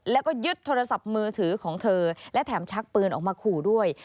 และแถมชักปืนออกมาขู่ด้วย